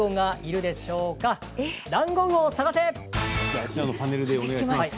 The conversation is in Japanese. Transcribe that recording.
あちらのパネルでお願いします。